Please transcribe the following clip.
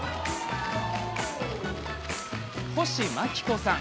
星眞紀子さん。